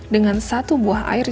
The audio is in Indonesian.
dengan satu buah air